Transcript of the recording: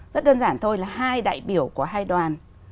rất đơn giản thôi là hai đại biểu của hai đoàn